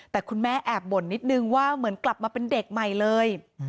แต่คุณแม่แอบบ่นนิดนึงว่าเหมือนกลับมาเป็นเด็กใหม่เลย